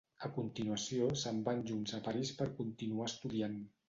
A continuació se'n van junts a París per continuar estudiant.